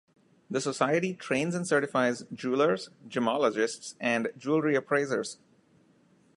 The Society trains and certifies jewelers, gemologists, and jewelry appraisers.